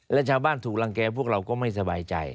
และชาวบ้านถูกรังแก่พวกเราก็ไม่สบายใจ